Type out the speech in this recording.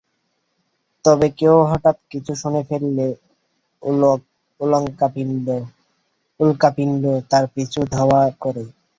তবে কেউ হঠাৎ কিছু শুনে ফেললে উল্কাপিণ্ড তার পিছু ধাওয়া করে।